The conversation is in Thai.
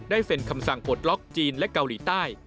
เซ็นคำสั่งปลดล็อกจีนและเกาหลีใต้